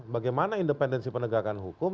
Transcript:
bagaimana independensi penegakan hukum